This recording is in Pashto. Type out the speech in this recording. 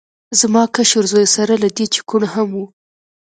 زما کشر زوی سره له دې چې کوڼ هم و